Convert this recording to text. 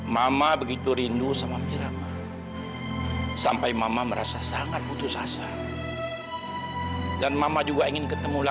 sampai jumpa di video selanjutnya